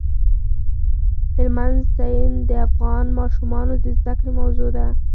هلمند سیند د افغان ماشومانو د زده کړې موضوع ده.